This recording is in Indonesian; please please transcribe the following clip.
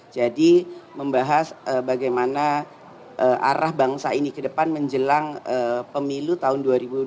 jadi membahas bagaimana arah bangsa ini ke depan menjelang pemilu tahun dua ribu dua puluh empat